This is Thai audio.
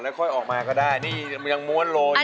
ค่อยออกมาก็ได้นี่ยังม้วนโลอยู่